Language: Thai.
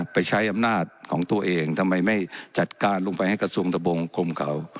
ไปใช้อำนาจของตัวเองทำไมไม่จัดการลงไปให้กระทรวงตะบงคมเขา